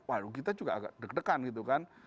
wah kita juga agak deg degan gitu kan